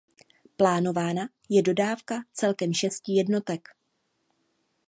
Plánována je dodávka celkem šesti jednotek.